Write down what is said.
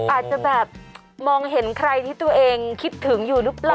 อาจจะแบบมองเห็นใครที่ตัวเองคิดถึงอยู่หรือเปล่า